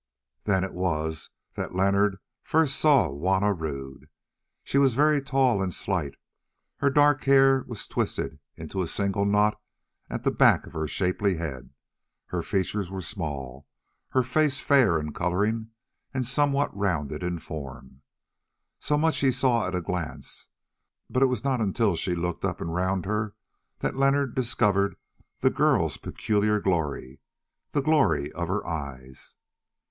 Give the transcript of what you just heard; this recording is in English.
Then it was that Leonard first saw Juanna Rodd. She was very tall and slight, her dark hair was twisted into a single knot at the back of her shapely head, her features were small, her face fair in colouring and somewhat rounded in form. So much he saw at a glance, but it was not until she looked up and round her that Leonard discovered the girl's peculiar glory, the glory of her eyes.